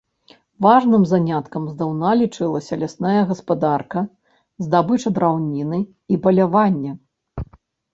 Важным заняткам здаўна лічылася лясная гаспадарка, здабыча драўніны і паляванне.